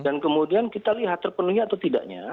dan kemudian kita lihat terpenuhnya atau tidaknya